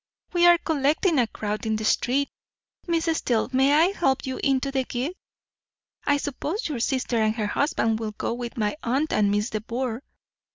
We are collecting a crowd in the street. Miss Steele, may I help you into the gig? I suppose your sister and her husband will go with my aunt and Miss de Bourgh.